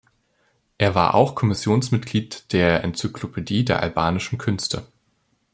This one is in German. Er war auch Kommissionsmitglied der "Enzyklopädie der albanischen Künste".